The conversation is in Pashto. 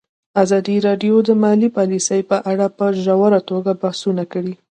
ازادي راډیو د مالي پالیسي په اړه په ژوره توګه بحثونه کړي.